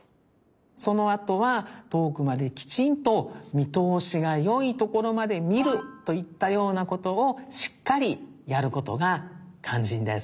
そのあとはとおくまできちんとみとおしがよいところまで「みる」といったようなことをしっかりやることがかんじんです。